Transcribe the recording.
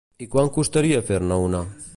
I quant costaria fer-ne una?